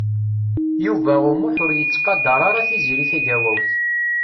Yuba U Muḥ ur yettqadeṛ ara Tiziri Tagawawt.